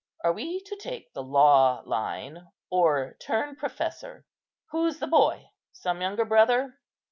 are we to take the law line, or turn professor? Who's the boy? some younger brother?"